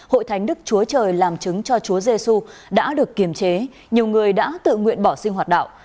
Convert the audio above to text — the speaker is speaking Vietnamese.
hội thánh đức chúa trời làm chứng cho chúa giê xu đã được kiềm chế nhiều người đã tự nguyện bỏ sinh hoạt đạo